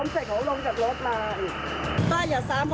สวัสดีครับ